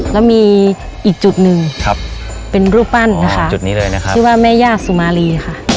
แล้วมีอีกจุดหนึ่งเป็นรูปปั้นนะคะชื่อว่าแม่ย่าสุมารี